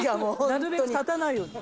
なるべく立たないように。